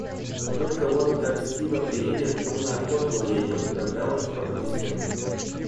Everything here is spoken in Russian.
Только вот, как Стива приедет, мы на охоту уедем, тогда уж пропустим.